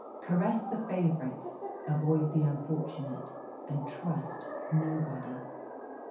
Caress the favourites, avoid the unfortunate, and trust nobody.